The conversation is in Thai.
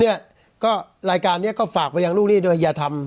เนี่ยก็รายการนี้ก็ฝากไปยังลูกหนี้ด้วยอย่าทำ